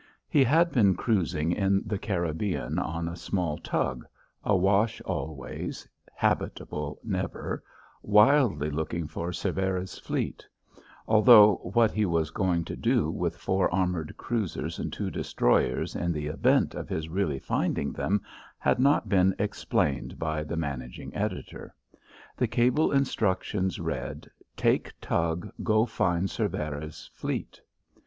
He had been cruising in the Caribbean on a small tug, awash always, habitable never, wildly looking for Cervera's fleet; although what he was going to do with four armoured cruisers and two destroyers in the event of his really finding them had not been explained by the managing editor. The cable instructions read: "Take tug; go find Cervera's fleet."